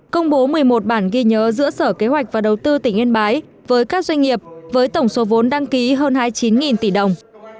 công bố một mươi một bản ghi nhớ giữa sở kế hoạch và đầu tư tỉnh yên bái với các doanh nghiệp với tổng số vốn đăng ký hơn hai mươi chín tỷ đồng